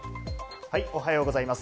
おはようございます。